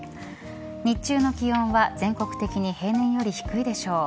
日中の気温は全国的に平年より低いでしょう。